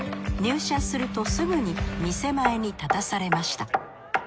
入社するとすぐに店前に立たされました。